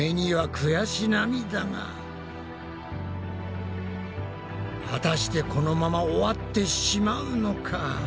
果たしてこのまま終わってしまうのか？